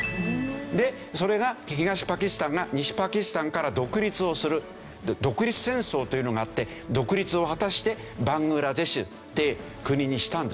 でそれが東パキスタンが西パキスタンから独立をする独立戦争というのがあって独立を果たしてバングラデシュって国にしたんですね。